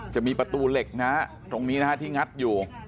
จะมีประตูเหล็กตรงนี้ที่งัดอยู่